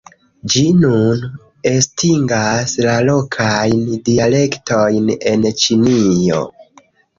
Ĝi nun estingas la lokajn dialektojn en Ĉinio.